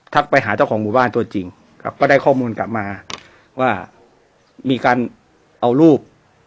ไปหาเจ้าของหมู่บ้านตัวจริงครับก็ได้ข้อมูลกลับมาว่ามีการเอารูป